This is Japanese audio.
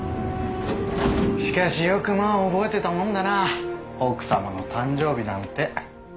しかしよくまあ覚えてたもんだな奥さまの誕生日なんて。